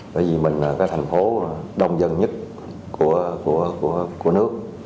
bởi vì mình là cái thành phố đông dân nhất của nước